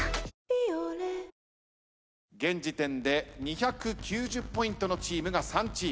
「ビオレ」現時点で２９０ポイントのチームが３チーム。